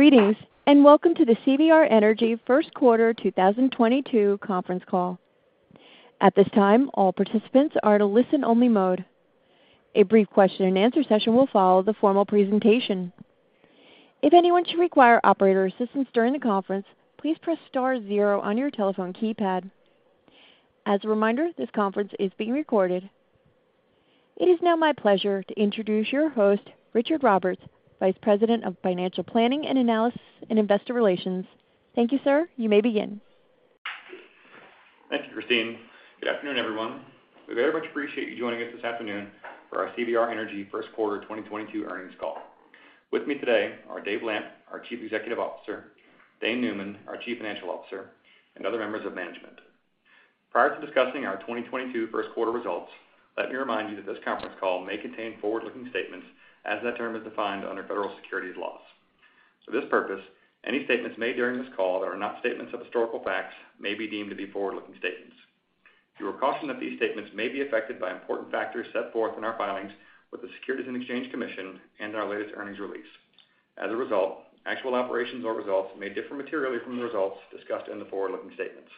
Greetings, and welcome to the CVR Energy first quarter 2022 conference call. At this time, all participants are in listen-only mode. A brief question-and-answer session will follow the formal presentation. If anyone should require operator assistance during the conference, please press star zero on your telephone keypad. As a reminder, this conference is being recorded. It is now my pleasure to introduce your host, Richard Roberts, Vice President of Financial Planning and Analysis and Investor Relations. Thank you, sir. You may begin. Thank you, Christine. Good afternoon, everyone. We very much appreciate you joining us this afternoon for our CVR Energy first quarter 2022 earnings call. With me today are Dave Lamp, our Chief Executive Officer, Dane Neumann, our Chief Financial Officer, and other members of management. Prior to discussing our 2022 first quarter results, let me remind you that this conference call may contain forward-looking statements as that term is defined under federal securities laws. For this purpose, any statements made during this call that are not statements of historical facts may be deemed to be forward-looking statements. You are cautioned that these statements may be affected by important factors set forth in our filings with the Securities and Exchange Commission and our latest earnings release. As a result, actual operations or results may differ materially from the results discussed in the forward-looking statements.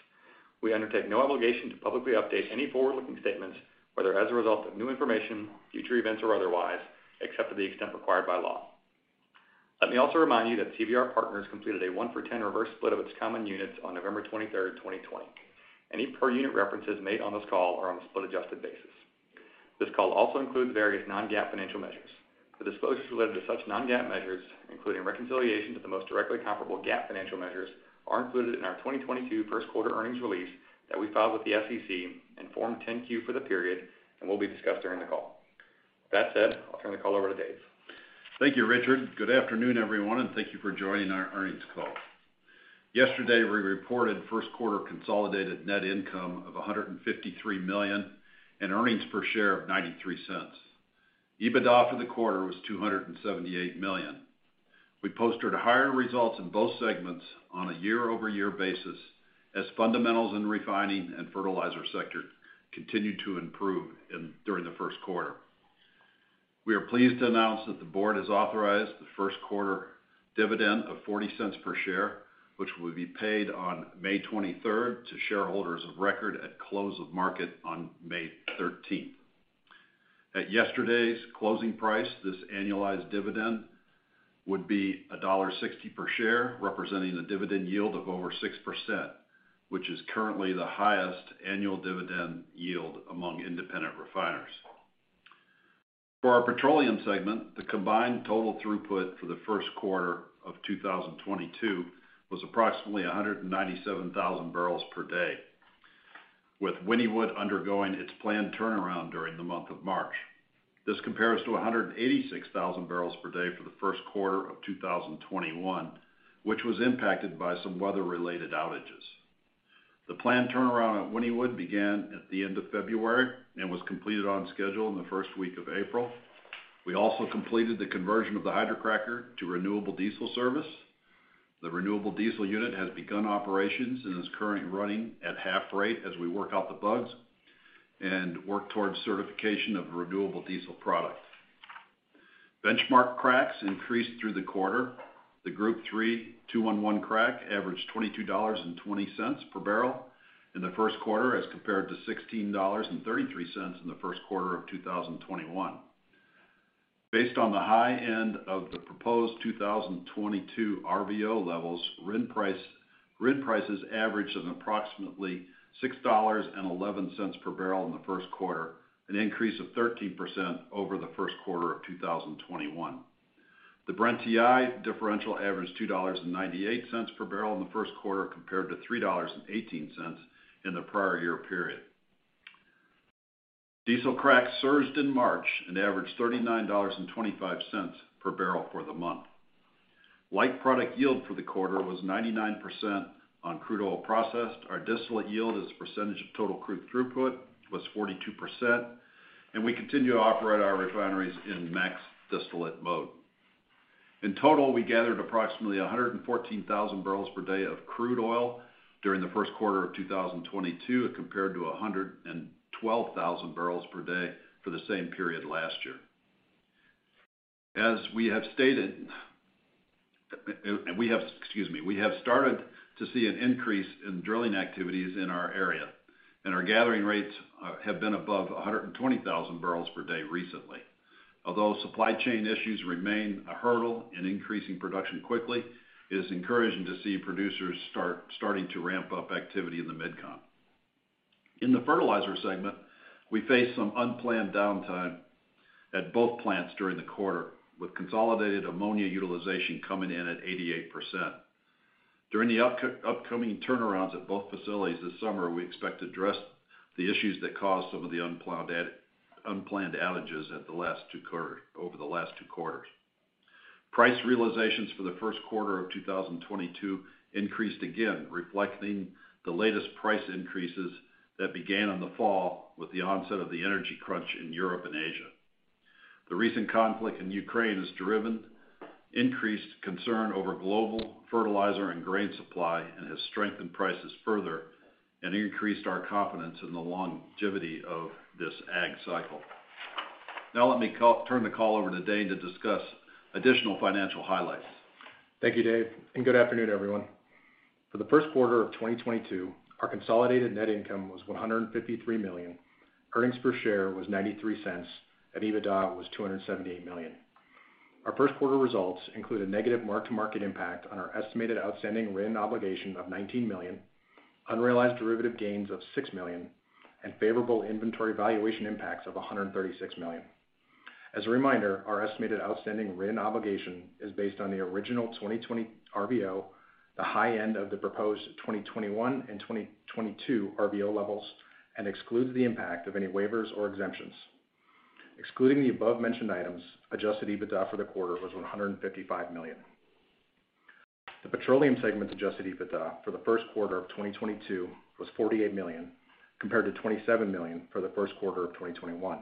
We undertake no obligation to publicly update any forward-looking statements, whether as a result of new information, future events, or otherwise, except to the extent required by law. Let me also remind you that CVR Partners completed a one-for-10 reverse split of its common units on November 23, 2020. Any per unit references made on this call are on a split-adjusted basis. This call also includes various non-GAAP financial measures. The disclosures related to such non-GAAP measures, including reconciliation to the most directly comparable GAAP financial measures, are included in our 2022 first quarter earnings release that we filed with the SEC and Form 10-Q for the period and will be discussed during the call. That said, I'll turn the call over to Dave. Thank you, Richard. Good afternoon, everyone, and thank you for joining our earnings call. Yesterday, we reported first quarter consolidated net income of $153 million and earnings per share of $0.93. EBITDA for the quarter was $278 million. We posted higher results in both segments on a year-over-year basis as fundamentals in refining and fertilizer sector continued to improve during the first quarter. We are pleased to announce that the board has authorized the first quarter dividend of $0.40 per share, which will be paid on May twenty-third to shareholders of record at close of market on May thirteenth. At yesterday's closing price, this annualized dividend would be $1.60 per share, representing a dividend yield of over 6%, which is currently the highest annual dividend yield among independent refiners. For our petroleum segment, the combined total throughput for the first quarter of 2022 was approximately 197,000 barrels per day, with Wynnewood undergoing its planned turnaround during the month of March. This compares to 186,000 barrels per day for the first quarter of 2021, which was impacted by some weather-related outages. The planned turnaround at Wynnewood began at the end of February and was completed on schedule in the first week of April. We also completed the conversion of the hydrocracker to renewable diesel service. The renewable diesel unit has begun operations and is currently running at half rate as we work out the bugs and work towards certification of renewable diesel product. Benchmark cracks increased through the quarter. The Group 3 2-1-1 crack averaged $22.20 per barrel in the first quarter as compared to $16.33 in the first quarter of 2021. Based on the high end of the proposed 2022 RVO levels, RIN prices averaged at approximately $6.11 per barrel in the first quarter, an increase of 13% over the first quarter of 2021. The Brent-WTI differential averaged $2.98 per barrel in the first quarter compared to $3.18 in the prior year period. Diesel cracks surged in March and averaged $39.25 per barrel for the month. Light product yield for the quarter was 99% on crude oil processed. Our distillate yield as a percentage of total crude throughput was 42%, and we continue to operate our refineries in max distillate mode. In total, we gathered approximately 114,000 barrels per day of crude oil during the first quarter of 2022 compared to 112,000 barrels per day for the same period last year. As we have stated, we have started to see an increase in drilling activities in our area, and our gathering rates have been above 120,000 barrels per day recently. Although supply chain issues remain a hurdle in increasing production quickly, it is encouraging to see producers starting to ramp up activity in the MidCon. In the fertilizer segment, we faced some unplanned downtime at both plants during the quarter, with consolidated ammonia utilization coming in at 88%. During the upcoming turnarounds at both facilities this summer, we expect to address the issues that caused some of the unplanned outages over the last two quarters. Price realizations for the first quarter of 2022 increased again, reflecting the latest price increases that began in the fall with the onset of the energy crunch in Europe and Asia. The recent conflict in Ukraine has driven increased concern over global fertilizer and grain supply and has strengthened prices further and increased our confidence in the longevity of this ag cycle. Now let me turn the call over to Dane to discuss additional financial highlights. Thank you, Dave, and good afternoon, everyone. For the first quarter of 2022, our consolidated net income was $153 million. Earnings per share was $0.93, and EBITDA was $278 million. Our first quarter results include a negative mark-to-market impact on our estimated outstanding RIN obligation of $19 million, unrealized derivative gains of $6 million, and favorable inventory valuation impacts of $136 million. As a reminder, our estimated outstanding RIN obligation is based on the original 2020 RVO, the high end of the proposed 2021 and 2022 RVO levels, and excludes the impact of any waivers or exemptions. Excluding the above mentioned items, adjusted EBITDA for the quarter was $155 million. The petroleum segment's adjusted EBITDA for the first quarter of 2022 was $48 million, compared to $27 million for the first quarter of 2021.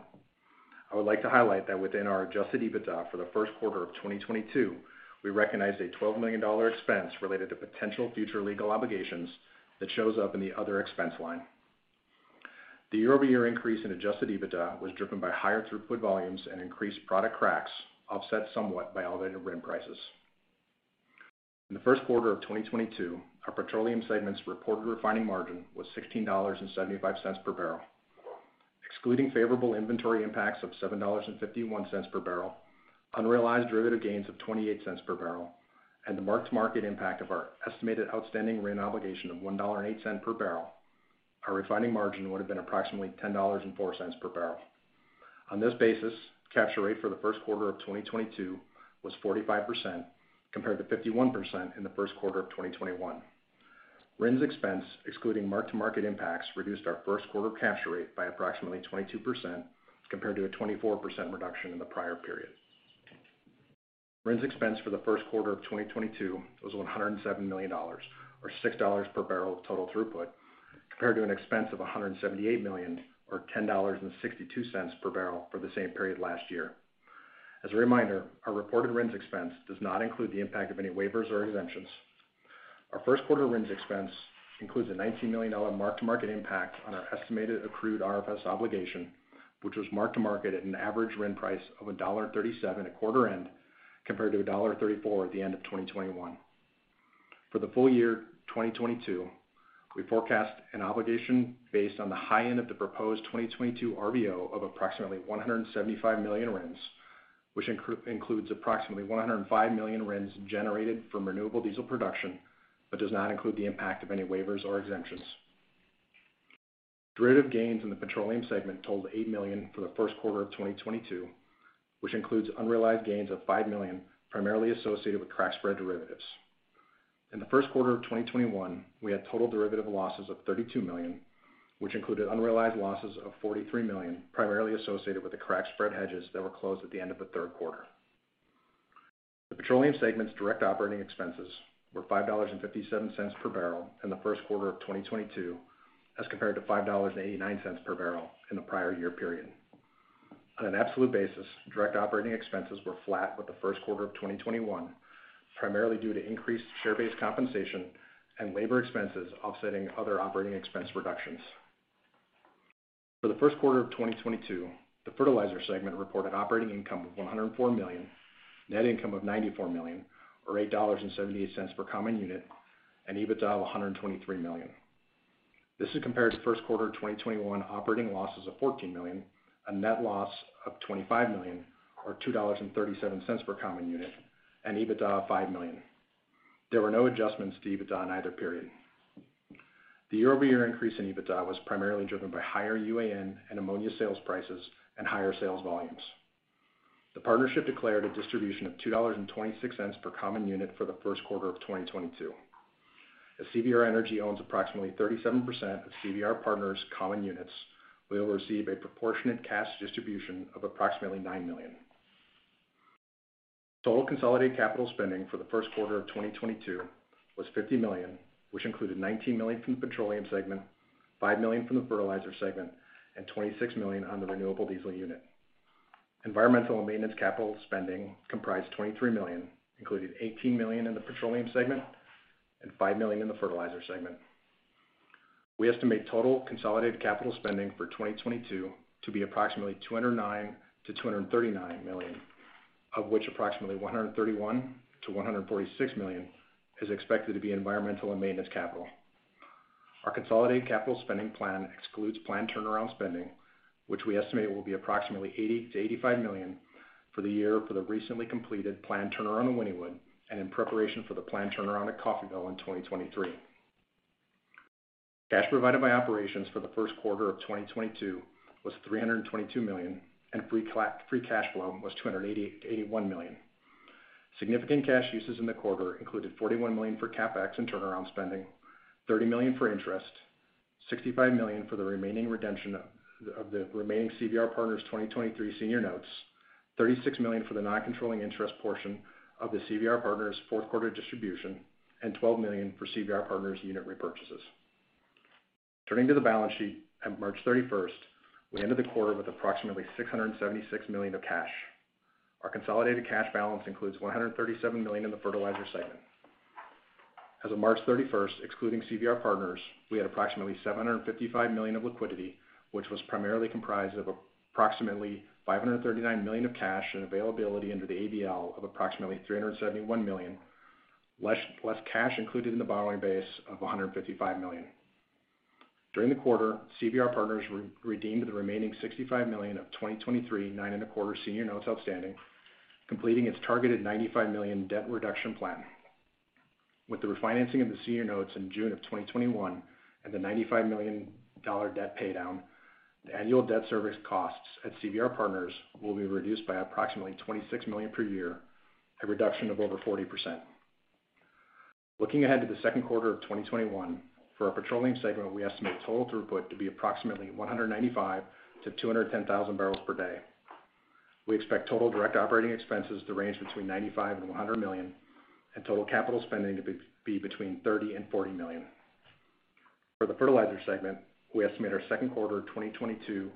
I would like to highlight that within our adjusted EBITDA for the first quarter of 2022, we recognized a $12 million expense related to potential future legal obligations that shows up in the other expense line. The year-over-year increase in adjusted EBITDA was driven by higher throughput volumes and increased product cracks, offset somewhat by elevated RIN prices. In the first quarter of 2022, our petroleum segment's reported refining margin was $16.75 per barrel. Excluding favorable inventory impacts of $7.51 per barrel, unrealized derivative gains of $0.28 per barrel, and the mark-to-market impact of our estimated outstanding RIN obligation of $1.08 per barrel, our refining margin would have been approximately $10.04 per barrel. On this basis, capture rate for the first quarter of 2022 was 45%, compared to 51% in the first quarter of 2021. RIN's expense, excluding mark-to-market impacts, reduced our first quarter capture rate by approximately 22%, compared to a 24% reduction in the prior period. RINs expense for the first quarter of 2022 was $107 million or $6 per barrel of total throughput, compared to an expense of $178 million or $10.62 per barrel for the same period last year. As a reminder, our reported RINs expense does not include the impact of any waivers or exemptions. Our first quarter RINs expense includes a $19 million mark-to-market impact on our estimated accrued RFS obligation, which was mark-to-market at an average RIN price of $1.37 at quarter end, compared to $1.34 at the end of 2021. For the full year 2022, we forecast an obligation based on the high end of the proposed 2022 RVO of approximately 175 million RINs, which includes approximately 105 million RINs generated from renewable diesel production, but does not include the impact of any waivers or exemptions. Derivative gains in the petroleum segment totaled $8 million for the first quarter of 2022, which includes unrealized gains of $5 million, primarily associated with crack spread derivatives. In the first quarter of 2021, we had total derivative losses of $32 million, which included unrealized losses of $43 million, primarily associated with the crack spread hedges that were closed at the end of the third quarter. The petroleum segment's direct operating expenses were $5.57 per barrel in the first quarter of 2022, as compared to $5.89 per barrel in the prior year period. On an absolute basis, direct operating expenses were flat with the first quarter of 2021, primarily due to increased share-based compensation and labor expenses offsetting other operating expense reductions. For the first quarter of 2022, the fertilizer segment reported operating income of $104 million, net income of $94 million or $8.78 per common unit, and EBITDA of $123 million. This is compared to first quarter of 2021 operating losses of $14 million, a net loss of $25 million or $2.37 per common unit, and EBITDA of $5 million. There were no adjustments to EBITDA in either period. The year-over-year increase in EBITDA was primarily driven by higher UAN and ammonia sales prices and higher sales volumes. The partnership declared a distribution of $2.26 per common unit for the first quarter of 2022. As CVR Energy owns approximately 37% of CVR Partners common units, we will receive a proportionate cash distribution of approximately $9 million. Total consolidated capital spending for the first quarter of 2022 was $50 million, which included $19 million from the petroleum segment, $5 million from the fertilizer segment, and $26 million on the renewable diesel unit. Environmental and maintenance capital spending comprised $23 million, including $18 million in the petroleum segment and $5 million in the fertilizer segment. We estimate total consolidated capital spending for 2022 to be approximately $209 million-$239 million, of which approximately $131 million-$146 million is expected to be environmental and maintenance capital. Our consolidated capital spending plan excludes planned turnaround spending, which we estimate will be approximately $80 million-$85 million for the year for the recently completed planned turnaround at Wynnewood and in preparation for the planned turnaround at Coffeyville in 2023. Cash provided by operations for the first quarter of 2022 was $322 million, and free cash flow was $281 million. Significant cash uses in the quarter included $41 million for CapEx and turnaround spending, $30 million for interest, $65 million for the remaining redemption of the remaining CVR Partners' 2023 senior notes, $36 million for the non-controlling interest portion of the CVR Partners' fourth quarter distribution, and $12 million for CVR Partners' unit repurchases. Turning to the balance sheet at March 31st, we ended the quarter with approximately $676 million of cash. Our consolidated cash balance includes $137 million in the fertilizer segment. As of March 31, excluding CVR Partners, we had approximately $755 million of liquidity, which was primarily comprised of approximately $539 million of cash and availability under the ABL of approximately $371 million, less cash included in the borrowing base of $155 million. During the quarter, CVR Partners redeemed the remaining $65 million of 2023 9.25% senior notes outstanding, completing its targeted $95 million debt reduction plan. With the refinancing of the senior notes in June of 2021 and the $95 million debt paydown, the annual debt service costs at CVR Partners will be reduced by approximately $26 million per year, a reduction of over 40%. Looking ahead to the second quarter of 2021, for our petroleum segment, we estimate total throughput to be approximately 195,000-210,000 barrels per day. We expect total direct operating expenses to range between $95 million and $100 million, and total capital spending to be between $30 million and $40 million. For the fertilizer segment, we estimate our second quarter 2022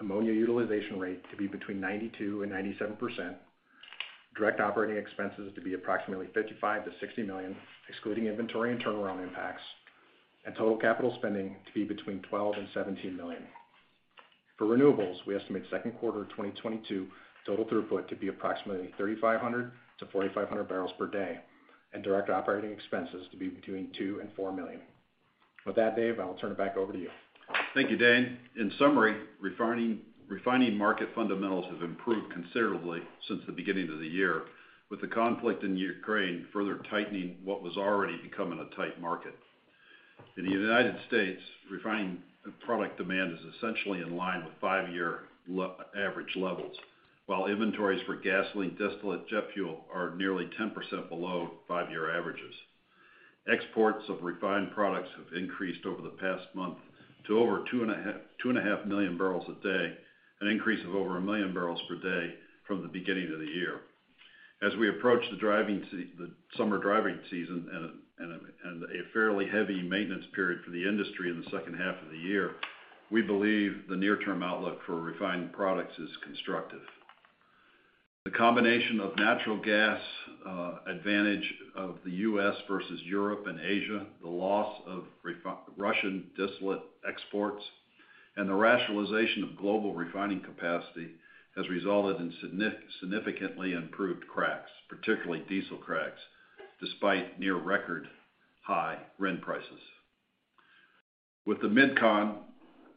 ammonia utilization rate to be between 92%-97%, direct operating expenses to be approximately $55 million-$60 million, excluding inventory and turnaround impacts, and total capital spending to be between $12 million-$17 million. For renewables, we estimate second quarter 2022 total throughput to be approximately 3,500-4,500 barrels per day, and direct operating expenses to be between $2 million-$4 million. With that, Dave, I will turn it back over to you. Thank you, Dane. In summary, refining market fundamentals have improved considerably since the beginning of the year, with the conflict in Ukraine further tightening what was already becoming a tight market. In the United States, refined product demand is essentially in line with five-year average levels, while inventories for gasoline distillate jet fuel are nearly 10% below five-year averages. Exports of refined products have increased over the past month to over 2.5 million barrels a day, an increase of over 1 million barrels per day from the beginning of the year. As we approach the summer driving season and a fairly heavy maintenance period for the industry in the second half of the year, we believe the near-term outlook for refined products is constructive. The combination of natural gas advantage of the U.S. versus Europe and Asia, the loss of Russian distillate exports, and the rationalization of global refining capacity has resulted in significantly improved cracks, particularly diesel cracks, despite near record high RIN prices. With the MidCon,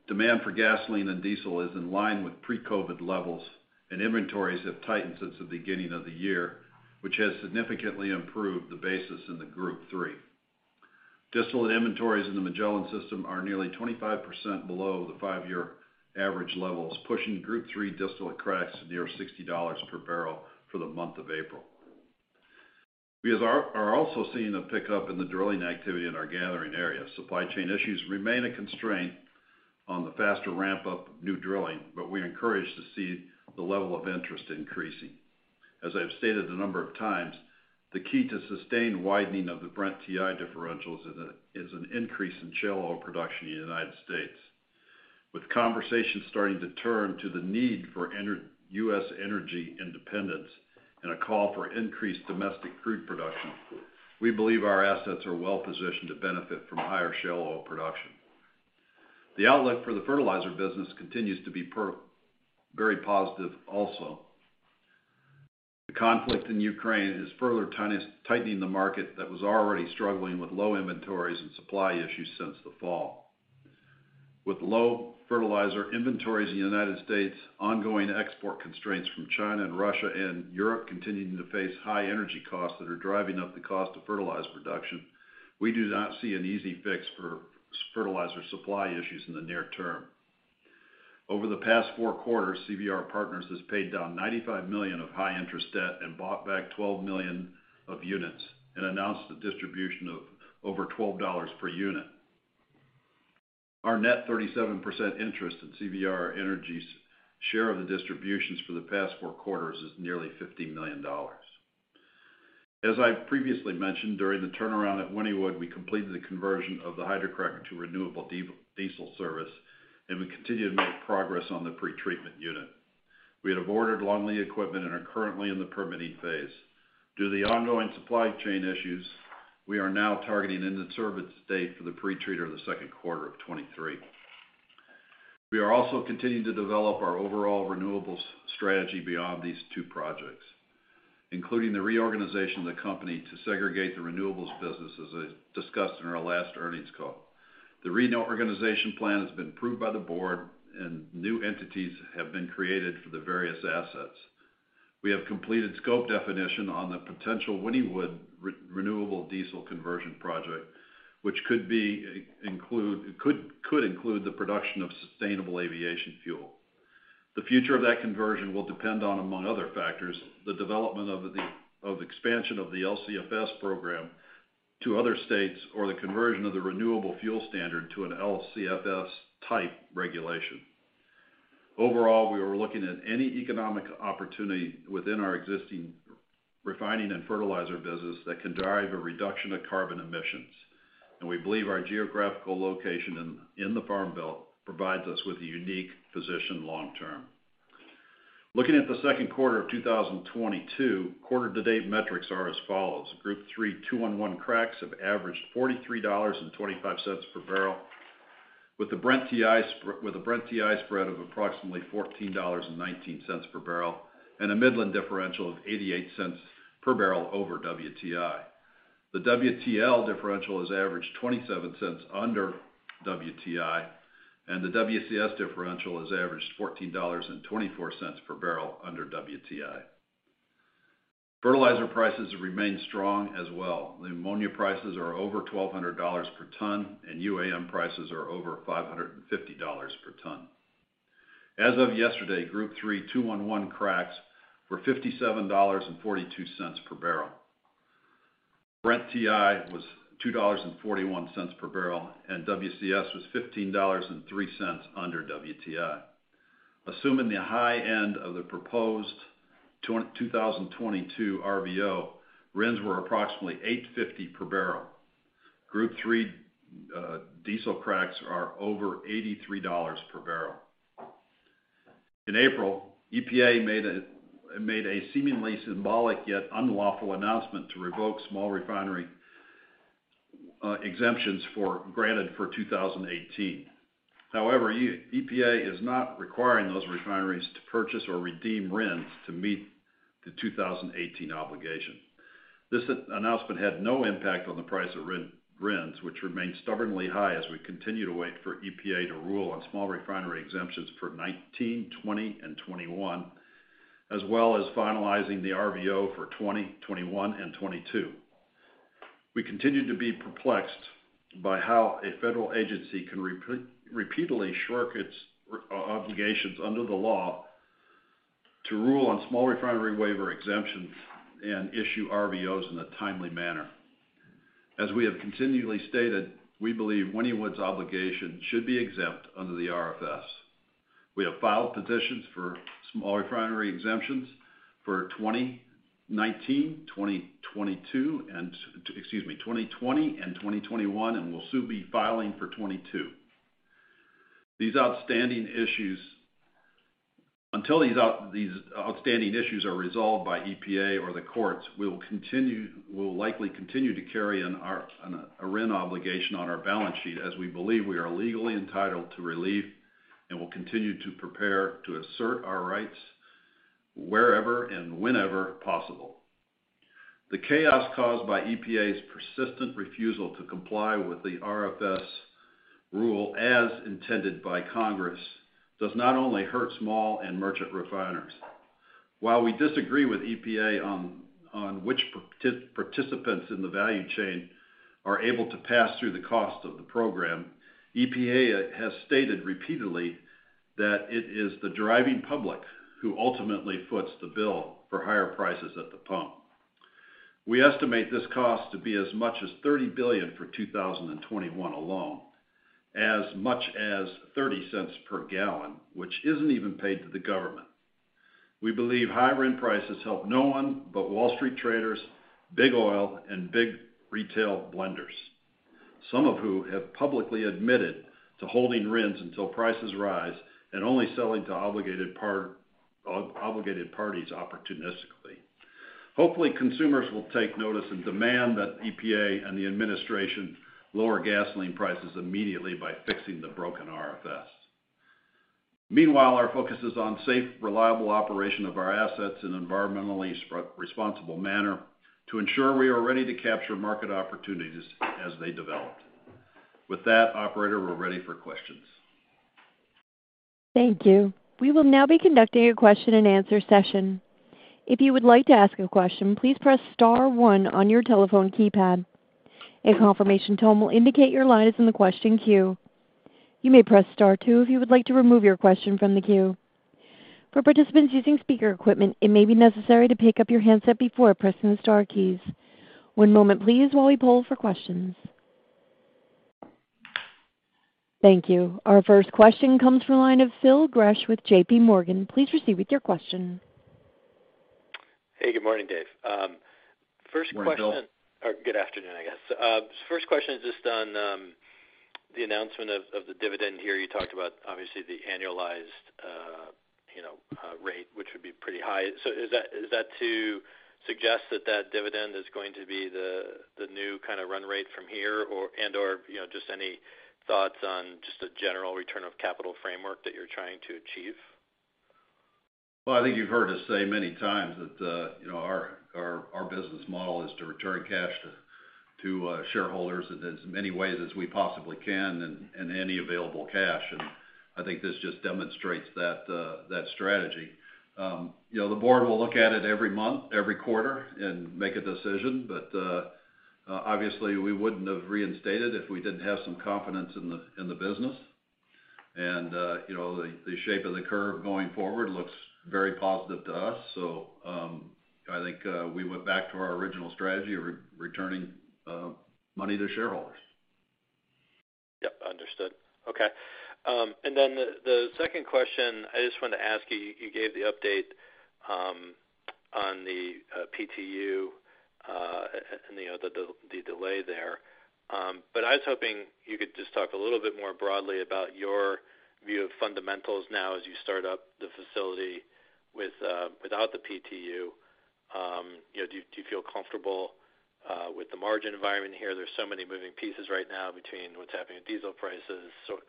demand for gasoline and diesel is in line with pre-COVID levels, and inventories have tightened since the beginning of the year, which has significantly improved the basis in the Group Three. Distillate inventories in the Magellan system are nearly 25% below the five-year average levels, pushing Group Three distillate cracks to near $60 per barrel for the month of April. We are also seeing a pickup in the drilling activity in our gathering area. Supply chain issues remain a constraint on the faster ramp-up of new drilling, but we're encouraged to see the level of interest increasing. As I've stated a number of times, the key to sustained widening of the Brent-WTI differentials is an increase in shale oil production in the United States. With conversations starting to turn to the need for U.S. energy independence and a call for increased domestic crude production, we believe our assets are well-positioned to benefit from higher shale oil production. The outlook for the fertilizer business continues to be very positive also. The conflict in Ukraine is further tightening the market that was already struggling with low inventories and supply issues since the fall. With low fertilizer inventories in the United States, ongoing export constraints from China and Russia, and Europe continuing to face high energy costs that are driving up the cost of fertilizer production, we do not see an easy fix for fertilizer supply issues in the near term. Over the past four quarters, CVR Partners has paid down $95 million of high-interest debt and bought back 12 million of units and announced a distribution of over $12 per unit. Our net 37% interest in CVR Energy's share of the distributions for the past four quarters is nearly $50 million. As I previously mentioned, during the turnaround at Wynnewood, we completed the conversion of the hydrocracker to renewable diesel service, and we continue to make progress on the pretreatment unit. We have ordered long-lead equipment and are currently in the permitting phase. Due to the ongoing supply chain issues, we are now targeting an in-service date for the pretreater in the second quarter of 2023. We are also continuing to develop our overall renewables strategy beyond these two projects, including the reorganization of the company to segregate the renewables business, as I discussed in our last earnings call. The reorganization plan has been approved by the board and new entities have been created for the various assets. We have completed scope definition on the potential Wynnewood renewable diesel conversion project, which could include the production of sustainable aviation fuel. The future of that conversion will depend on, among other factors, the development of the expansion of the LCFS program to other states or the conversion of the renewable fuel standard to an LCFS-type regulation. Overall, we are looking at any economic opportunity within our existing refining and fertilizer business that can drive a reduction of carbon emissions, and we believe our geographical location in the Farm Belt provides us with a unique position long term. Looking at the second quarter of 2022, quarter to date metrics are as follows. Group 3 2-1-1 cracks have averaged $43.25 per barrel with a Brent-WTI spread of approximately $14.19 per barrel and a Midland differential of $0.88 per barrel over WTI. The WTL differential has averaged $0.27 under WTI, and the WCS differential has averaged $14.24 per barrel under WTI. Fertilizer prices remain strong as well. Ammonia prices are over $1,200 per ton, and UAN prices are over $550 per ton. As of yesterday, Group 3 2-1-1 cracks were $57.42 per barrel. Brent-WTI was $2.41 per barrel, and WCS was $15.03 under WTI. Assuming the high end of the proposed 2022 RVO, RINs were approximately $8.50 per barrel. Group 3 diesel cracks are over $83 per barrel. In April, EPA made a seemingly symbolic yet unlawful announcement to revoke small refinery exemptions granted for 2018. However, the EPA is not requiring those refineries to purchase or redeem RINs to meet the 2018 obligation. This announcement had no impact on the price of RINs, which remain stubbornly high as we continue to wait for EPA to rule on small refinery exemptions for 2019, 2020 and 2021, as well as finalizing the RVO for 2020, 2021 and 2022. We continue to be perplexed by how a federal agency can repeatedly short its obligations under the law to rule on small refinery waiver exemptions and issue RVOs in a timely manner. As we have continually stated, we believe Wynnewood's obligation should be exempt under the RFS. We have filed petitions for small refinery exemptions for 2019, 2020 and 2021, and we'll soon be filing for 2022. Until these outstanding issues are resolved by EPA or the courts, we will likely continue to carry a RIN obligation on our balance sheet as we believe we are legally entitled to relief and will continue to prepare to assert our rights wherever and whenever possible. The chaos caused by EPA's persistent refusal to comply with the RFS rule as intended by Congress does not only hurt small and merchant refiners. While we disagree with EPA on which participants in the value chain are able to pass through the cost of the program, EPA has stated repeatedly that it is the driving public who ultimately foots the bill for higher prices at the pump. We estimate this cost to be as much as $30 billion for 2021 alone, as much as $0.30 per gallon, which isn't even paid to the government. We believe high RIN prices help no one but Wall Street traders, big oil, and big retail blenders, some of who have publicly admitted to holding RINs until prices rise and only selling to obligated parties opportunistically. Hopefully, consumers will take notice and demand that EPA and the administration lower gasoline prices immediately by fixing the broken RFS. Meanwhile, our focus is on safe, reliable operation of our assets in an environmentally responsible manner to ensure we are ready to capture market opportunities as they develop. With that, operator, we're ready for questions. Thank you. We will now be conducting a question-and-answer session. If you would like to ask a question, please press star one on your telephone keypad. A confirmation tone will indicate your line is in the question queue. You may press Star two if you would like to remove your question from the queue. For participants using speaker equipment, it may be necessary to pick up your handset before pressing the star keys. One moment please while we poll for questions. Thank you. Our first question comes from the line of Phil Gresh with J.P. Morgan. Please proceed with your question. Hey, good morning, Dave. First question. Good morning, Phil. Good afternoon, I guess. First question is just on the announcement of the dividend here. You talked about obviously the annualized, you know, rate, which would be pretty high. Is that to suggest that dividend is going to be the new kind of run rate from here or and/or, you know, just any thoughts on just a general return of capital framework that you're trying to achieve? Well, I think you've heard us say many times that you know, our business model is to return cash to shareholders in as many ways as we possibly can and any available cash. I think this just demonstrates that strategy. You know, the board will look at it every month, every quarter and make a decision. Obviously we wouldn't have reinstated if we didn't have some confidence in the business. You know, the shape of the curve going forward looks very positive to us. I think we went back to our original strategy of returning money to shareholders. Yep, understood. Okay. The second question I just wanted to ask you gave the update on the PTU and the other delay there. I was hoping you could just talk a little bit more broadly about your view of fundamentals now as you start up the facility with without the PTU. You know, do you feel comfortable with the margin environment here? There's so many moving pieces right now between what's happening in diesel prices, so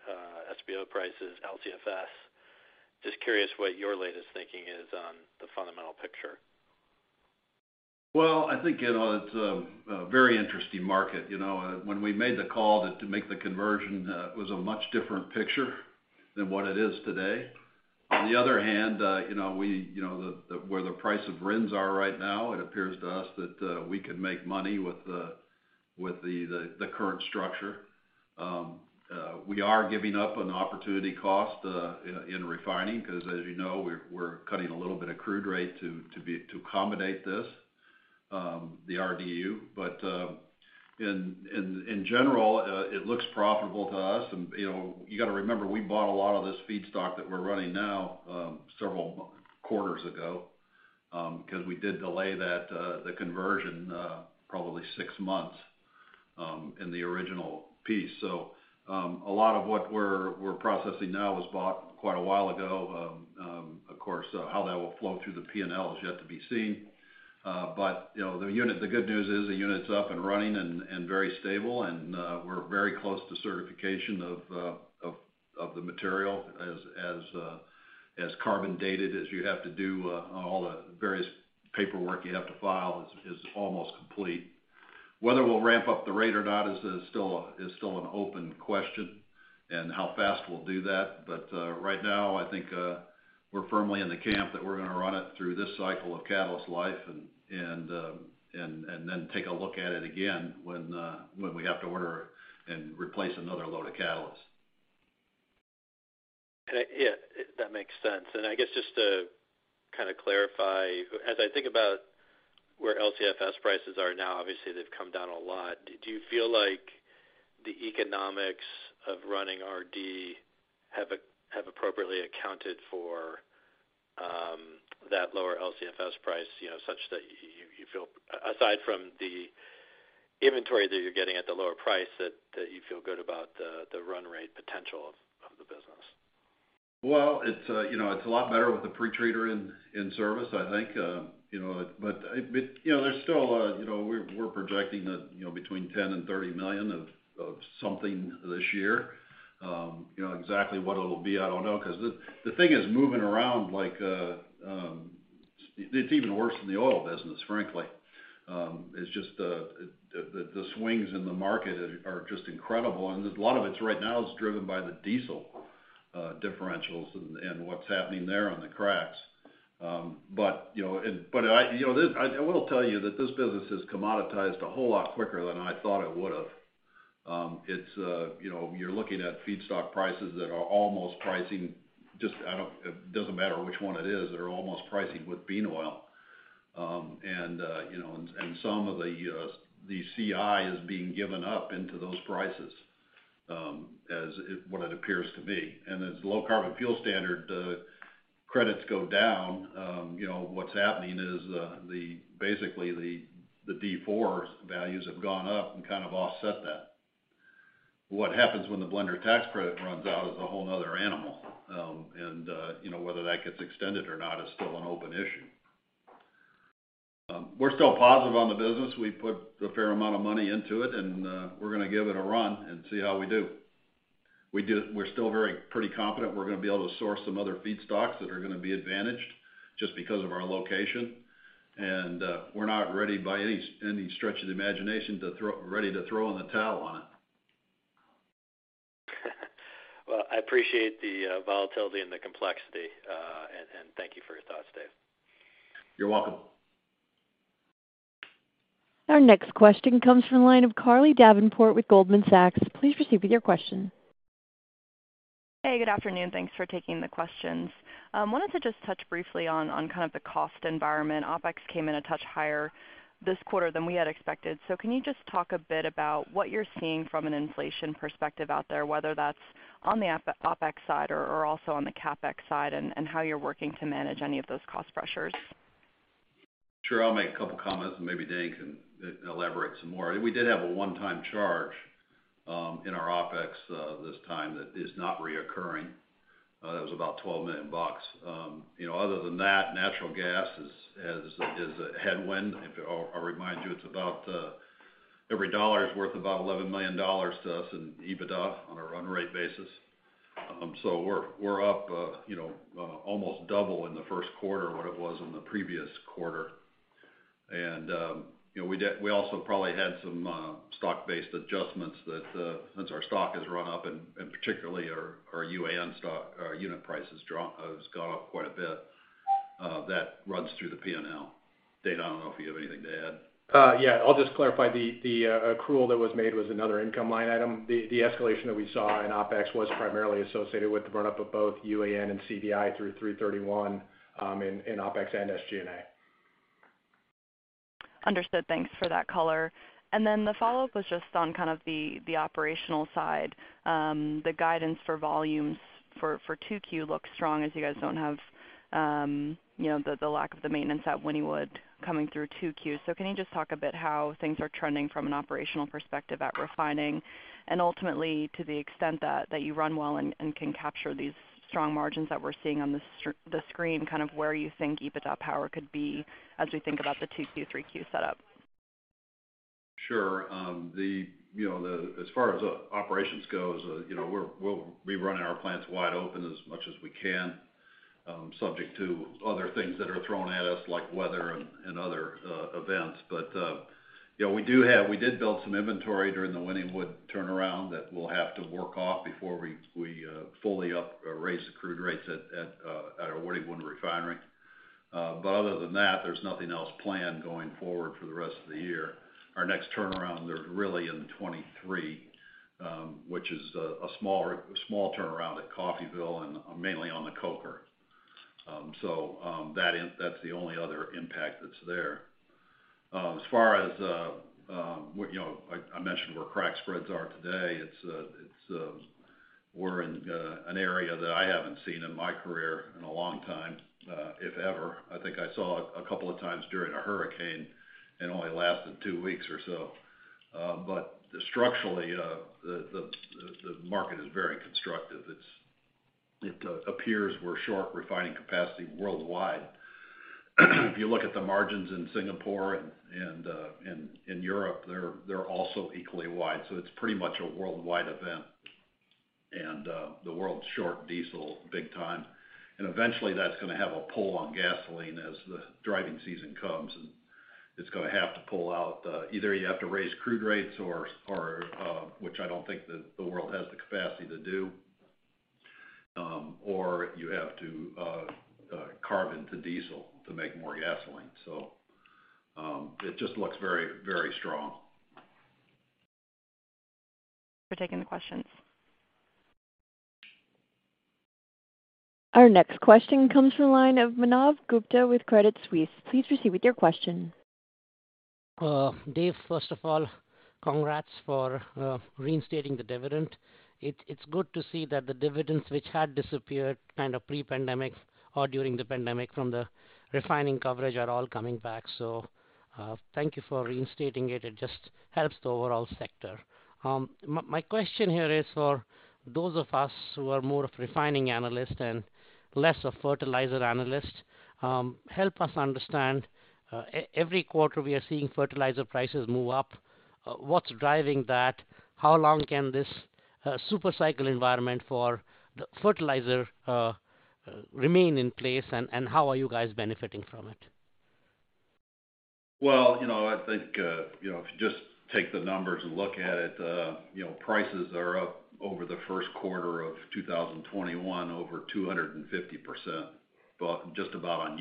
SBO prices, LCFS. Just curious what your latest thinking is on the fundamental picture. Well, I think, you know, it's a very interesting market. You know, when we made the call to make the conversion, it was a much different picture than what it is today. On the other hand, you know, where the price of RINs are right now, it appears to us that we can make money with the current structure. We are giving up an opportunity cost in refining because as you know, we're cutting a little bit of crude rate to accommodate this, the RDU. In general, it looks profitable to us and, you know, you gotta remember, we bought a lot of this feedstock that we're running now several quarters ago because we did delay that the conversion probably six months in the original piece. A lot of what we're processing now was bought quite a while ago. Of course, how that will flow through the P&L is yet to be seen. The good news is the unit's up and running and very stable and we're very close to certification of the material as carbon dated as you have to do on all the various paperwork you have to file is almost complete. Whether we'll ramp up the rate or not is still an open question and how fast we'll do that. Right now, I think, we're firmly in the camp that we're gonna run it through this cycle of catalyst life and then take a look at it again when we have to order and replace another load of catalyst. Yeah, that makes sense. I guess, just to kinda clarify, as I think about where LCFS prices are now, obviously they've come down a lot. Do you feel like the economics of running RD have appropriately accounted for that lower LCFS price, you know, such that you feel aside from the inventory that you're getting at the lower price, that you feel good about the run rate potential of the business? Well, it's you know, it's a lot better with the pretreater in service, I think. You know, but you know, there's still you know, we're projecting that you know, between $10 million and $30 million of something this year. You know, exactly what it'll be, I don't know 'cause the thing is moving around like. It's even worse than the oil business, frankly. It's just the swings in the market are just incredible. A lot of it's right now is driven by the diesel differentials and what's happening there on the cracks. You know, I will tell you that this business has commoditized a whole lot quicker than I thought it would've. It's you know, you're looking at feedstock prices that are almost pricing just. It doesn't matter which one it is. They're almost pricing with bean oil. You know, some of the CI is being given up into those prices, what it appears to be. As Low Carbon Fuel Standard credits go down, you know, what's happening is basically the D4 values have gone up and kind of offset that. What happens when the blender tax credit runs out is a whole 'another animal. You know, whether that gets extended or not is still an open issue. We're still positive on the business. We put a fair amount of money into it, and we're gonna give it a run and see how we do. We're still very pretty confident we're gonna be able to source some other feedstocks that are gonna be advantaged just because of our location. We're not ready by any stretch of the imagination to throw in the towel on it. Well, I appreciate the volatility and the complexity. Thank you for your thoughts, Dave. You're welcome. Our next question comes from the line of Carly Davenport with Goldman Sachs. Please proceed with your question. Hey, good afternoon. Thanks for taking the questions. Wanted to just touch briefly on kind of the cost environment. OpEx came in a touch higher this quarter than we had expected. Can you just talk a bit about what you're seeing from an inflation perspective out there, whether that's on the OpEx side or also on the CapEx side, and how you're working to manage any of those cost pressures? Sure. I'll make a couple comments and maybe Dane can elaborate some more. We did have a one-time charge in our OpEx this time that is not recurring. That was about $12 million. You know, other than that, natural gas is a headwind. I'll remind you it's about every dollar is worth about $11 million to us in EBITDA on a run rate basis. So we're up, you know, almost double in the first quarter what it was in the previous quarter. You know, we also probably had some stock-based adjustments that since our stock has run up and particularly our UAN stock, our unit price has gone up quite a bit. That runs through the P&L. Dane, I don't know if you have anything to add. Yeah. I'll just clarify. The accrual that was made was another income line item. The escalation that we saw in OpEx was primarily associated with the run-up of both UAN and CVI through three thirty-one, in OpEx and SG&A. Understood. Thanks for that color. The follow-up was just on kind of the operational side, the guidance for volumes for 2Q looks strong as you guys don't have, you know, the lack of the maintenance at Wynnewood coming through 2Q. Can you just talk a bit how things are trending from an operational perspective at refining and ultimately to the extent that you run well and can capture these strong margins that we're seeing on the screen, kind of where you think EBITDA power could be as we think about the 2Q, 3Q setup? Sure. As far as operations goes, you know, we're running our plants wide open as much as we can, subject to other things that are thrown at us, like weather and other events. We did build some inventory during the Wynnewood turnaround that we'll have to work off before we raise the crude rates at our Wynnewood refinery. Other than that, there's nothing else planned going forward for the rest of the year. Our next turnaround there really in 2023, which is a small turnaround at Coffeyville and mainly on the coker. That's the only other impact that's there. As far as what I mentioned where crack spreads are today, we're in an area that I haven't seen in my career in a long time, if ever. I think I saw it a couple of times during a hurricane, and only lasted two weeks or so. Structurally, the market is very constructive. It appears we're short refining capacity worldwide. If you look at the margins in Singapore and in Europe, they're also equally wide. It's pretty much a worldwide event. The world's short diesel big time. Eventually that's gonna have a pull on gasoline as the driving season comes, and it's gonna have to pull out. Either you have to raise crude rates or which I don't think that the world has the capacity to do, or you have to carve into diesel to make more gasoline. It just looks very, very strong. For taking the questions. Our next question comes from the line of Manav Gupta with Credit Suisse. Please proceed with your question. Dave, first of all, congrats for reinstating the dividend. It's good to see that the dividends which had disappeared kind of pre-pandemic or during the pandemic from the refining coverage are all coming back. Thank you for reinstating it. It just helps the overall sector. My question here is for those of us who are more of refining analysts and less of fertilizer analysts, help us understand, every quarter we are seeing fertilizer prices move up. What's driving that? How long can this super cycle environment for the fertilizer remain in place, and how are you guys benefiting from it? Well, you know, I think, if you just take the numbers and look at it, you know, prices are up over the first quarter of 2021, over 250%, but just about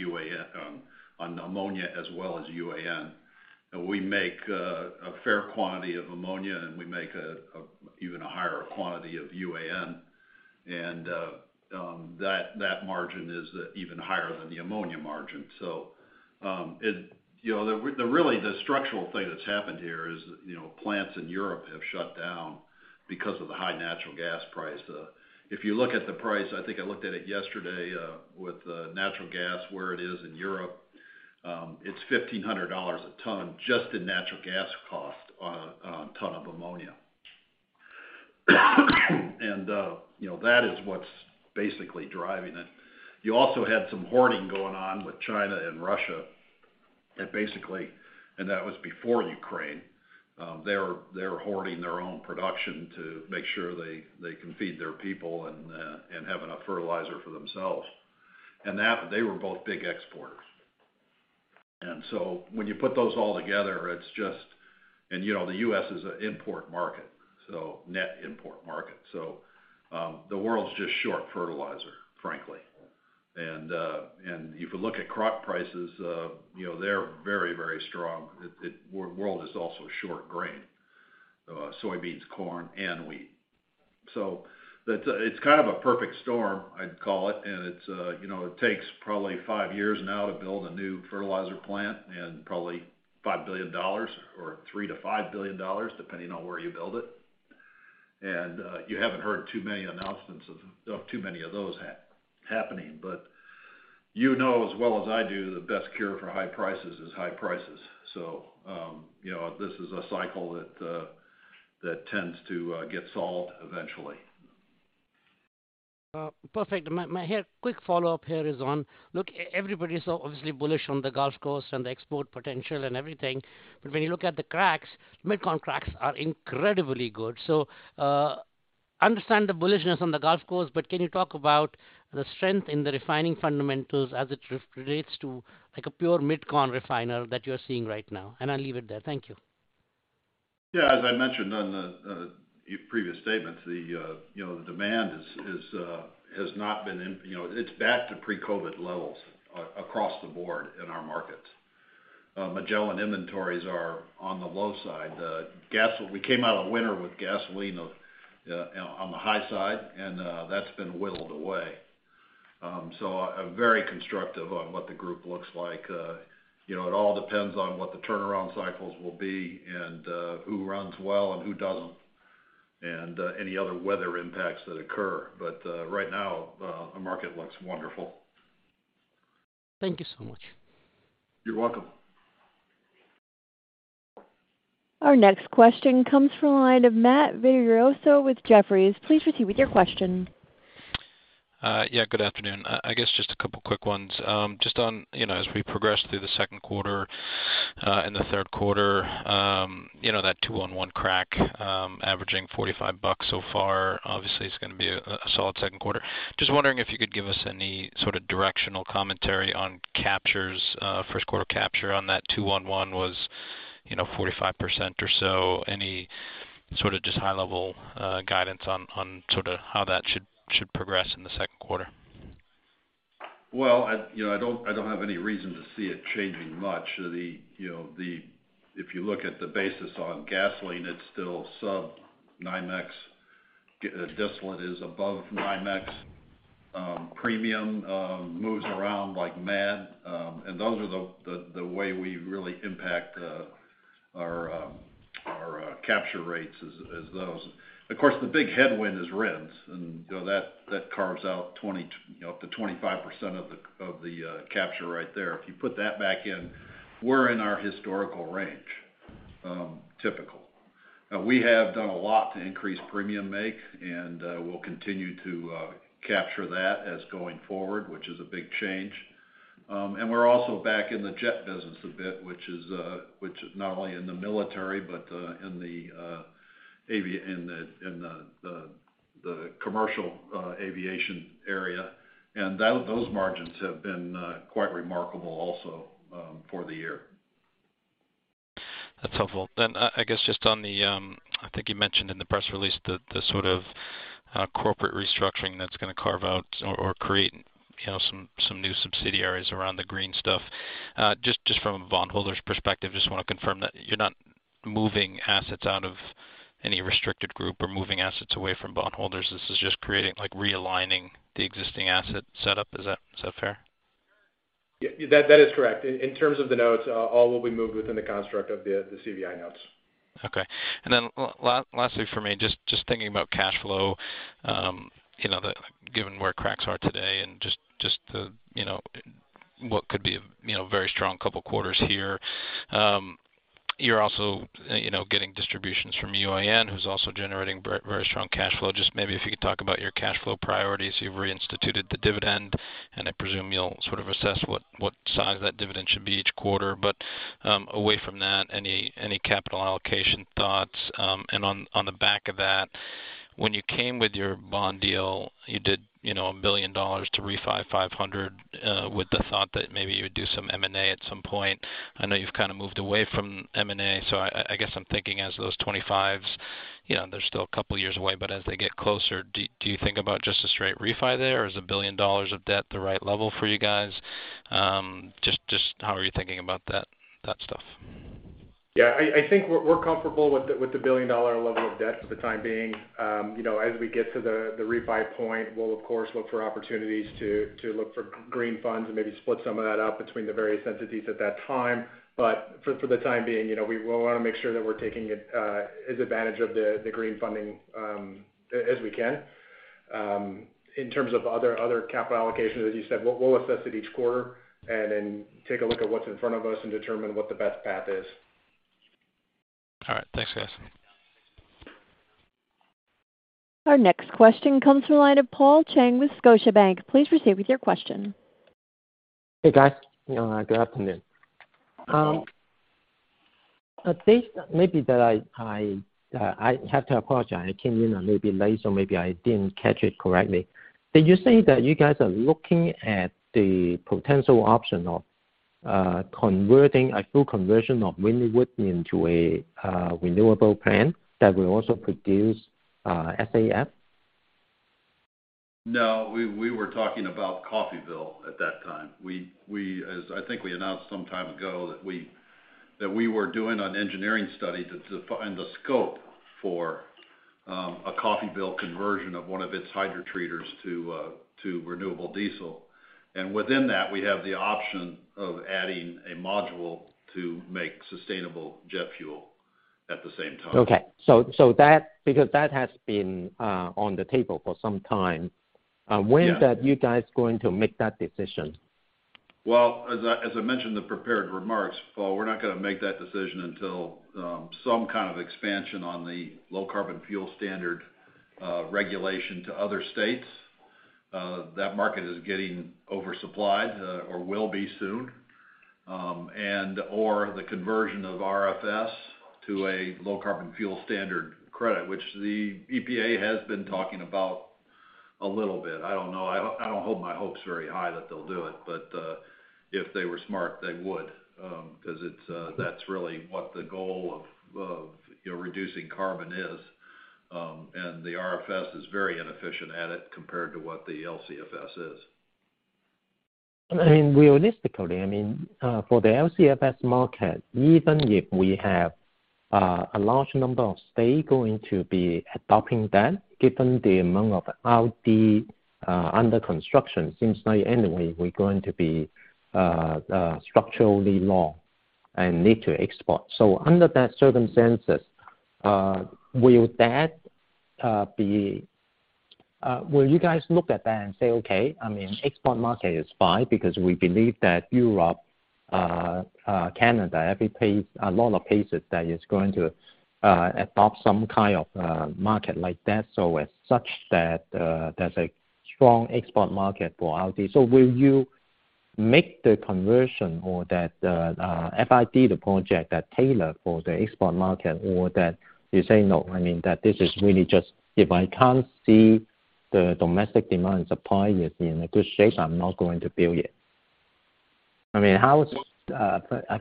on ammonia as well as UAN. We make a fair quantity of ammonia, and we make an even higher quantity of UAN. That margin is even higher than the ammonia margin. It, you know, the structural thing that's happened here is, you know, plants in Europe have shut down because of the high natural gas price. If you look at the price, I think I looked at it yesterday, with natural gas where it is in Europe, it's $1,500 a ton just in natural gas cost on a ton of ammonia. You know, that is what's basically driving it. You also had some hoarding going on with China and Russia. Basically that was before Ukraine. They're hoarding their own production to make sure they can feed their people and have enough fertilizer for themselves. They were both big exporters. When you put those all together, it's just the U.S. is an import market, so net import market. The world's just short fertilizer, frankly. If you look at crop prices, you know, they're very, very strong. The world is also short grain, soybeans, corn and wheat. That's it's kind of a perfect storm, I'd call it. It's, you know, it takes probably 5 years now to build a new fertilizer plant and probably $5 billion or $3 billion-$5 billion, depending on where you build it. You haven't heard too many announcements of too many of those happening. You know as well as I do, the best cure for high prices is high prices. You know, this is a cycle that tends to get solved eventually. Perfect. My quick follow-up here is on. Look, everybody is obviously bullish on the Gulf Coast and the export potential and everything. But when you look at the cracks, mid-con cracks are incredibly good. So, understand the bullishness on the Gulf Coast, but can you talk about the strength in the refining fundamentals as it relates to, like, a pure mid-con refiner that you're seeing right now? I'll leave it there. Thank you. Yeah. As I mentioned on the previous statements, you know, the demand is has not been you know, it's back to pre-COVID levels across the board in our markets. Magellan inventories are on the low side. We came out of winter with gasoline on the high side, and that's been whittled away. I'm very constructive on what the group looks like. You know, it all depends on what the turnaround cycles will be and who runs well and who doesn't, and any other weather impacts that occur. Right now, the market looks wonderful. Thank you so much. You're welcome. Our next question comes from the line of Matt Vittorioso with Jefferies. Please proceed with your question. Yeah, good afternoon. I guess just a couple quick ones. Just on, you know, as we progress through the second quarter and the third quarter, you know, that two on one crack averaging $45 so far, obviously it's gonna be a solid second quarter. Just wondering if you could give us any sort of directional commentary on captures. First quarter capture on that two on one was, you know, 45% or so. Any sort of just high-level guidance on sort of how that should progress in the second quarter? Well, you know, I don't have any reason to see it changing much. You know, if you look at the basis on gasoline, it's still sub NYMEX. Distillate is above NYMEX. Premium moves around like mad. And those are the way we really impact our capture rates is those. Of course, the big headwind is RINs. You know, that carves out 20 to, you know, up to 25% of the capture right there. If you put that back in, we're in our historical range, typical. Now we have done a lot to increase premium make, and we'll continue to capture that as going forward, which is a big change. We're also back in the jet business a bit, which is not only in the military, but in the commercial aviation area. Those margins have been quite remarkable also for the year. That's helpful. I guess just on the, I think you mentioned in the press release the sort of corporate restructuring that's gonna carve out or create, you know, some new subsidiaries around the green stuff. Just from a bondholder's perspective, just wanna confirm that you're not moving assets out of any restricted group or moving assets away from bondholders. This is just creating, like, realigning the existing asset setup. Is that fair? Yeah. That is correct. In terms of the notes, all will be moved within the construct of the CVI notes. Okay. Lastly for me, just thinking about cash flow, you know, given where cracks are today and just the, you know, what could be a, you know, very strong couple quarters here. You're also, you know, getting distributions from UAN, who's also generating very, very strong cash flow. Just maybe if you could talk about your cash flow priorities. You've reinstituted the dividend, and I presume you'll sort of assess what size that dividend should be each quarter. Away from that, any capital allocation thoughts? On the back of that, when you came with your bond deal, you did, you know, $1 billion to refi $500 million, with the thought that maybe you would do some M&A at some point. I know you've kind of moved away from M&A, so I guess I'm thinking as those 25s, you know, they're still a couple years away, but as they get closer, do you think about just a straight refi there, or is $1 billion of debt the right level for you guys? Just how are you thinking about that stuff? Yeah. I think we're comfortable with the $1 billion level of debt for the time being. You know, as we get to the refi point, we'll of course look for opportunities to look for green funds and maybe split some of that up between the various entities at that time. For the time being, you know, we wanna make sure that we're taking advantage of the green funding as we can. In terms of other capital allocations, as you said, we'll assess it each quarter and then take a look at what's in front of us and determine what the best path is. All right. Thanks, guys. Our next question comes from the line of Paul Cheng with Scotiabank. Please proceed with your question. Hey, guys. Good afternoon. Hey. I have to apologize. I came in a little bit late, so maybe I didn't catch it correctly. Did you say that you guys are looking at the potential option of converting a full conversion of Wynnewood into a renewable plant that will also produce SAF? No. We were talking about Coffeyville at that time. As I think we announced some time ago that we were doing an engineering study to define the scope for a Coffeyville conversion of one of its hydrotreaters to renewable diesel. Within that, we have the option of adding a module to make sustainable jet fuel at the same time. Because that has been on the table for some time. Yes. When is that you guys going to make that decision? Well, as I mentioned in the prepared remarks, Paul, we're not gonna make that decision until some kind of expansion on the Low Carbon Fuel Standard regulation to other states. That market is getting oversupplied or will be soon. Or the conversion of RFS to a Low Carbon Fuel Standard credit, which the EPA has been talking about a little bit. I don't know. I don't hold my hopes very high that they'll do it, but if they were smart, they would 'cause that's really what the goal of you know reducing carbon is. The RFS is very inefficient at it compared to what the LCFS is. I mean, realistically, for the LCFS market, even if we have a large number of states going to be adopting that, given the amount of RD under construction, since anyway, we're going to be structurally long and need to export. Under that circumstance, will that be. Will you guys look at that and say, "Okay, I mean, export market is fine because we believe that Europe, Canada, every place - a lot of places that are going to adopt some kind of market like that, so as such that there's a strong export market for RD. Will you make the conversion or that the FID the project that tailored for the export market or that you say, "No. I mean, that this is really just if I can't see the domestic demand and supply is in a good shape, I'm not going to build it. I mean,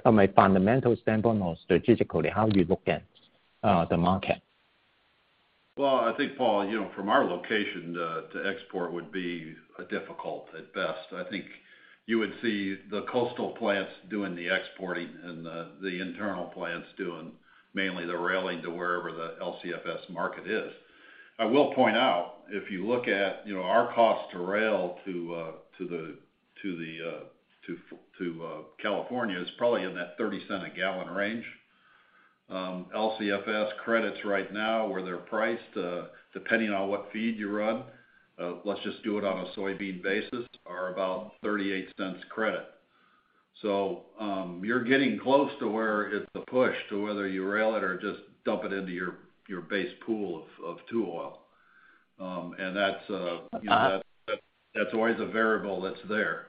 from a fundamental standpoint, more strategically, how you look at the market? Well, I think, Paul, you know, from our location to export would be difficult at best. I think you would see the coastal plants doing the exporting and the internal plants doing mainly the rail to wherever the LCFS market is. I will point out, if you look at, you know, our cost to rail to California is probably in that $0.30 a gallon range. LCFS credits right now where they're priced, depending on what feed you run, let's just do it on a soybean basis, are about $0.38 credit. You're getting close to where it's a push to whether you rail it or just dump it into your base pool of fuel oil. Uh-huh That's always a variable that's there.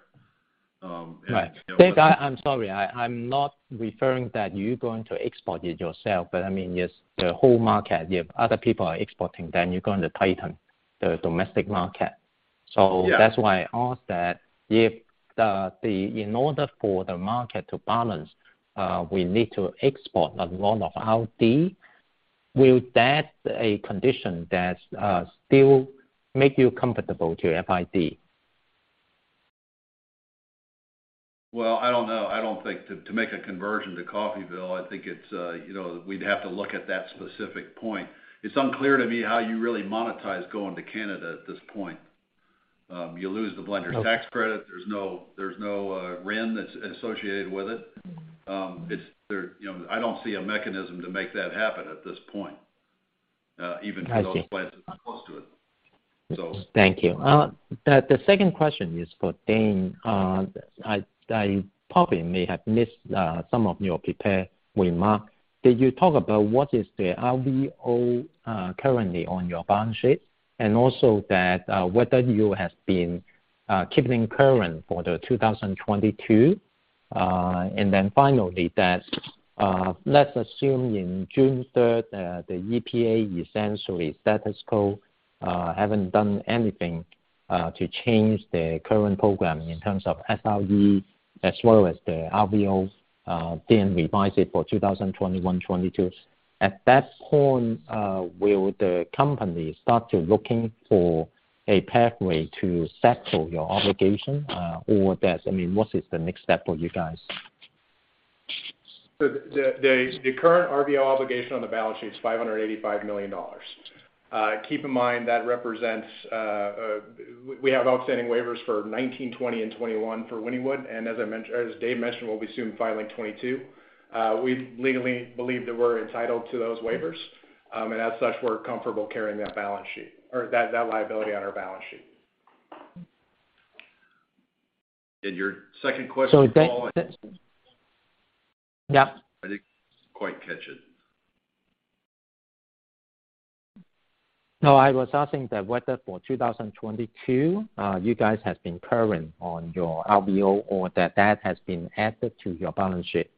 You know Right. Dave, I'm sorry, I'm not referring to that you're going to export it yourself, but I mean, just the whole market, if other people are exporting, then you're going to tighten the domestic market. Yeah. That's why I asked that if, in order for the market to balance, we need to export a lot of RD, will that as a condition that still make you comfortable to FID? Well, I don't know. I don't think to make a conversion to Coffeyville. I think it's, you know, we'd have to look at that specific point. It's unclear to me how you really monetize going to Canada at this point. You lose the blender. Okay. -tax credit. There's no RIN that's associated with it. It's there, you know, I don't see a mechanism to make that happen at this point, even for those- I see. Plants that are close to it. Thank you. The second question is for Dane. I probably may have missed some of your prepared remark. Did you talk about what is the RVO currently on your balance sheet? Also whether you have been keeping current for 2022. Finally, let's assume in June third the EPA essentially status quo, haven't done anything to change the current programming in terms of SRE as well as the RVO, then revise it for 2021, 2022s. At that point, will the company start to looking for a pathway to settle your obligation, or I mean, what is the next step for you guys? The current RVO obligation on the balance sheet is $585 million. Keep in mind, that represents we have outstanding waivers for 2019, 2020 and 2021 for Wynnewood. As I mentioned or as Dave mentioned, we'll be soon filing 2022. We legally believe that we're entitled to those waivers. As such, we're comfortable carrying that balance sheet or that liability on our balance sheet. Your second question, Paul? Dave. I didn't quite catch it. No, I was asking that whether for 2022, you guys have been current on your RVO or that has been added to your balance sheet.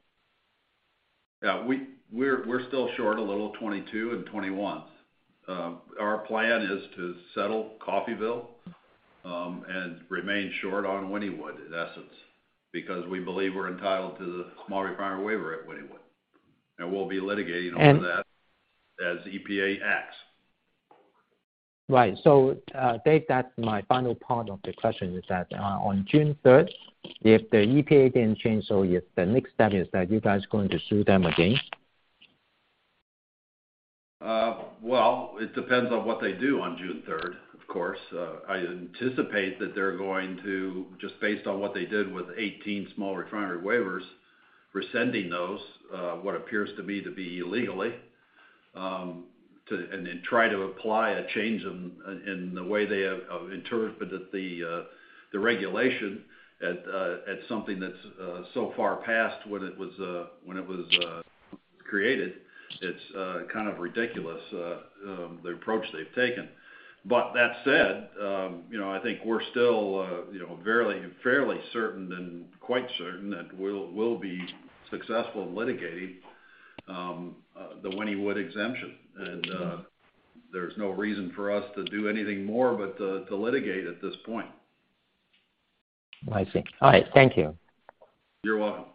We're still short a little of 2022 and 2021s. Our plan is to settle Coffeyville and remain short on Wynnewood, in essence, because we believe we're entitled to the small refinery waiver at Wynnewood. We'll be litigating over that. And- as EPA acts. Right. Dave, that's my final part of the question is that, on June third, if the EPA didn't change, so if the next step is that you guys going to sue them again? Well, it depends on what they do on June third, of course. I anticipate that they're going to, just based on what they did with 18 small refinery waivers, rescinding those, what appears to me to be illegally, and then try to apply a change in the way they have interpreted the regulation at something that's so far past when it was created. It's kind of ridiculous, the approach they've taken. That said, you know, I think we're still, you know, fairly certain and quite certain that we'll be successful in litigating the Wynnewood exemption. There's no reason for us to do anything more but to litigate at this point. I see. All right. Thank you. You're welcome.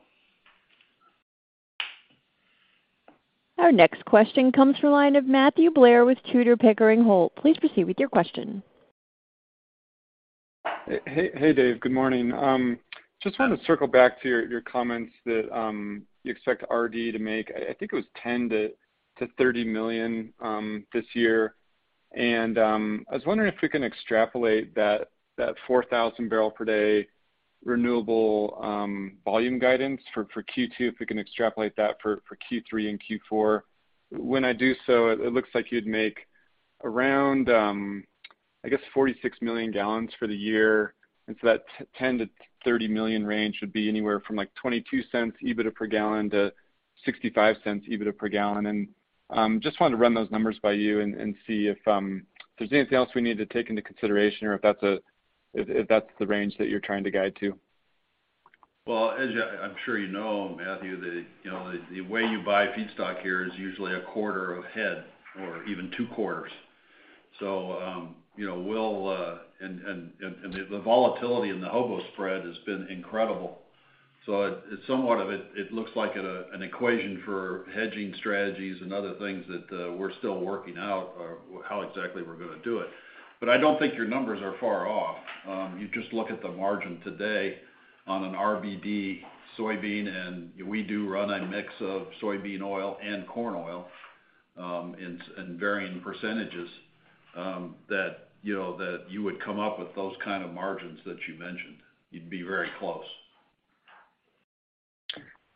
Our next question comes from the line of Matthew Blair with Tudor, Pickering, Holt & Co. Please proceed with your question. Hey, Dave. Good morning. Just trying to circle back to your comments that you expect RD to make, I think it was $10 million-$30 million this year. I was wondering if we can extrapolate that 4,000 barrel per day renewable volume guidance for Q2, if we can extrapolate that for Q3 and Q4. When I do so, it looks like you'd make around, I guess 46 million gallons for the year. That 10-30 million range would be anywhere from like $0.22 EBITDA per gallon to $0.65 EBITDA per gallon. Just wanted to run those numbers by you and see if there's anything else we need to take into consideration or if that's the range that you're trying to guide to. Well, as I'm sure you know, Matthew, you know, the way you buy feedstock here is usually a quarter ahead or even two quarters. The volatility in the HOBO spread has been incredible. It's somewhat of an equation for hedging strategies and other things that we're still working out or how exactly we're gonna do it. But I don't think your numbers are far off. You just look at the margin today on an RBD soybean, and we do run a mix of soybean oil and corn oil in varying percentages that you know that you would come up with those kind of margins that you mentioned. You'd be very close.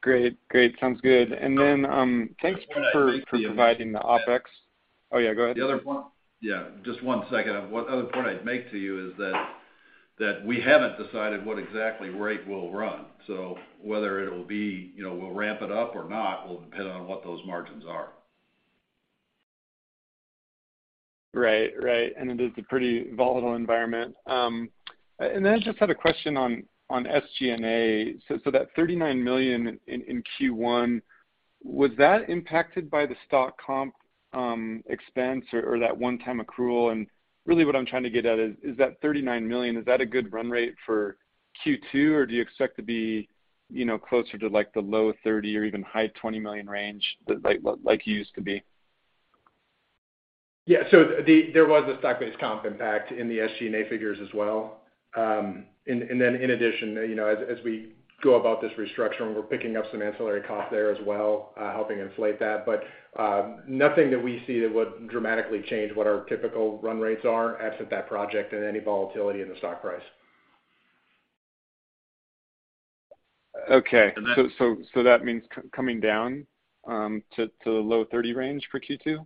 Great. Sounds good. Thanks for providing the OpEx. Oh, yeah, go ahead. The other point. Yeah, just one second. One other point I'd make to you is that we haven't decided what exactly rate we'll run. Whether it'll be, you know, we'll ramp it up or not will depend on what those margins are. Right. It is a pretty volatile environment. I just had a question on SG&A. That $39 million in Q1, was that impacted by the stock comp expense or that one-time accrual? Really what I'm trying to get at is that $39 million, is that a good run rate for Q2, or do you expect to be, you know, closer to like the low 30 or even high 20 million range like you used to be? There was a stock-based comp impact in the SG&A figures as well. And then in addition, you know, as we go about this restructuring, we're picking up some ancillary costs there as well, helping inflate that. Nothing that we see that would dramatically change what our typical run rates are absent that project and any volatility in the stock price. Okay. That means coming down to the low 30 range for Q2?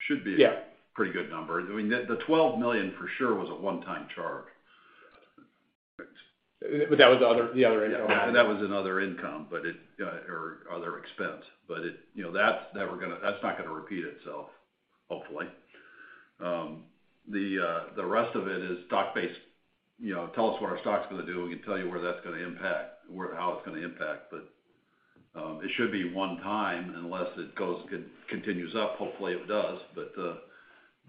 Should be. Yeah. Pretty good number. I mean, the $12 million for sure was a one-time charge. That was the other income. Yeah. That was another income or other expense. You know, that's not gonna repeat itself, hopefully. The rest of it is stock-based. You know, tell us what our stock's gonna do, we can tell you where that's gonna impact, where or how it's gonna impact. It should be one time unless it continues up. Hopefully, it does.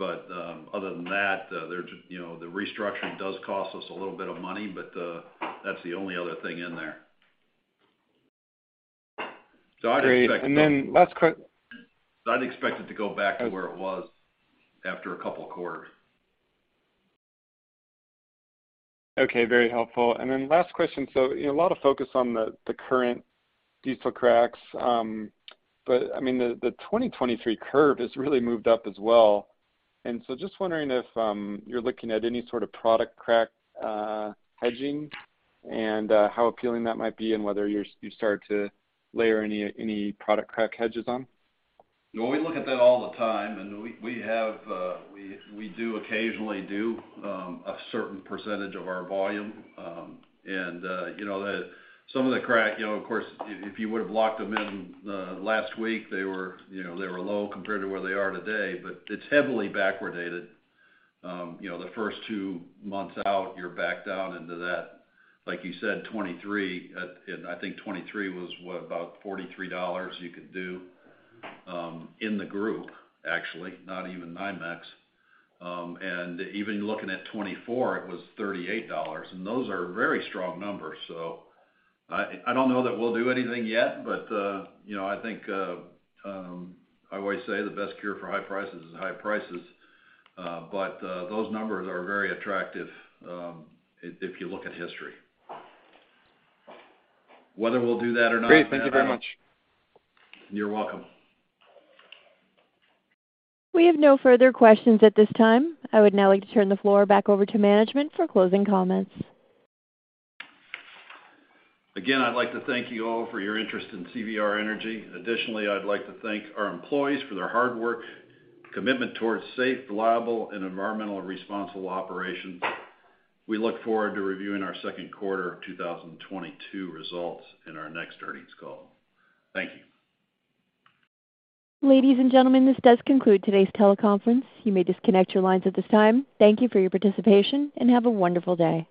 Other than that, there's, you know, the restructuring does cost us a little bit of money, but that's the only other thing in there. I'd expect it- Great. I'd expect it to go back to where it was after a couple quarters. Okay. Very helpful. Last question. You know, a lot of focus on the current diesel cracks. But I mean, the 2023 curve has really moved up as well. Just wondering if you're looking at any sort of product crack hedging and how appealing that might be and whether you start to layer any product crack hedges on. No, we look at that all the time, and we have, we do occasionally do a certain percentage of our volume. You know, some of the crack, you know, of course, if you would've locked them in last week, they were low compared to where they are today, but it's heavily backwardated. You know, the first two months out, you're back down into that, like you said, 2023. And I think 2023 was, what? About $43 you could do in the Group 3 actually, not even NYMEX. And even looking at 2024, it was $38, and those are very strong numbers. I don't know that we'll do anything yet. You know, I think I always say the best cure for high prices is high prices. Those numbers are very attractive, if you look at history. Whether we'll do that or not, I don't know. Great. Thank you very much. You're welcome. We have no further questions at this time. I would now like to turn the floor back over to management for closing comments. Again, I'd like to thank you all for your interest in CVR Energy. Additionally, I'd like to thank our employees for their hard work, commitment toward safe, reliable, and environmentally responsible operations. We look forward to reviewing our second quarter of 2022 results in our next earnings call. Thank you. Ladies and gentlemen, this does conclude today's teleconference. You may disconnect your lines at this time. Thank you for your participation, and have a wonderful day.